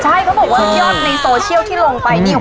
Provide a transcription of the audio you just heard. ใช่เขาบอกว่ายอดในโซเชียลที่ลงไปนี่